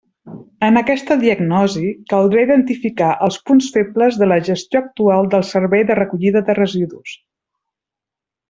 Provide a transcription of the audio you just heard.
En aquesta diagnosi caldrà identificar els punts febles de la gestió actual del servei de recollida de residus.